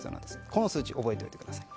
この数値、覚えておいてください。